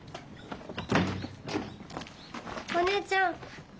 お姉ちゃん。